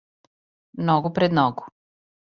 Ногу пред ногу.